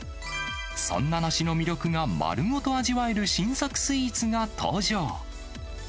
そんな梨の魅力が丸ごと味わえる新作スイーツが登場。